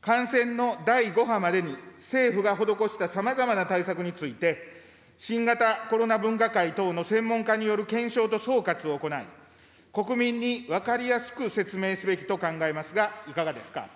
感染の第５波までに、政府が施したさまざまな対策について、新型コロナ分科会等の専門家による検証と総括を行い、国民に分かりやすく説明すべきと考えますが、いかがですか。